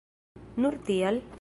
Nur tial?